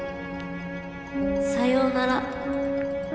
さようなら。